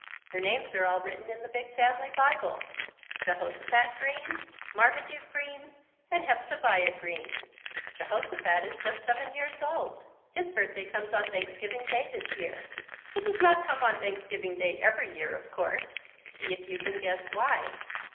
Their names are all written in the big family Bible, Jehosophat Green, Marmaduke Green, and Hepzebiah Green. Jehosophat is just seven years old. His birthday comes on Thanksgiving Day this year. It does not come on Thanksgiving Day every year, of course. See if you can guess why.